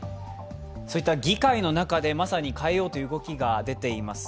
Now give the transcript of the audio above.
議会の中で、まさに変えようという動きが出ています。